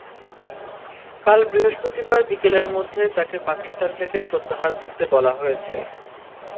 কাল বৃহস্পতিবার বিকেলের মধ্যে তাঁকে পাকিস্তান থেকে প্রত্যাহার করতে বলা হয়েছে।